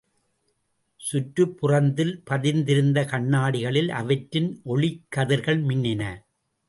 சுற்றுப்புறத்தில் பதிந்திருந்த கண்ணாடிகளில் அவற்றின் ஒளிக்கதிர்கள் மின்னின.